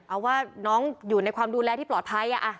เอาว่าน้องอยู่ในความดูแลที่ปลอดภัย